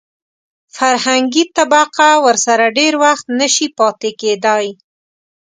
فرهنګي طبقه ورسره ډېر وخت نشي پاتې کېدای.